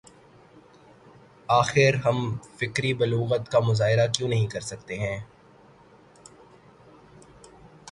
آخر ہم فکری بلوغت کا مظاہرہ کیوں نہیں کر سکتے ہیں؟